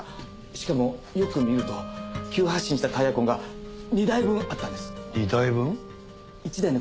しかもよく見ると急発進したタイヤ痕が２台分あったんです。